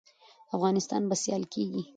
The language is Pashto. افغانستان به سیال کیږي؟